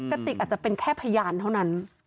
ติกอาจจะเป็นแค่พยานเท่านั้น